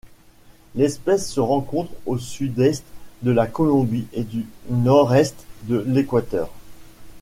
L'espèce se rencontre au sud-est de la Colombie et au nord-est de l'Équateur.